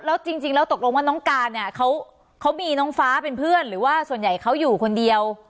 แล้วจริงแล้วตกลงว่าน้องการเนี่ยเขามีน้องฟ้าเป็นเพื่อนหรือว่าส่วนใหญ่เขาอยู่คนเดียว